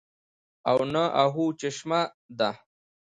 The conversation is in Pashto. او نه اۤهو چشمه ده